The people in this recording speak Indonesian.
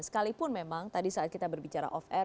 sekalipun memang tadi saat kita berbicara off air